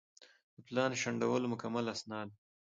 د پلان شنډولو مکمل اسناد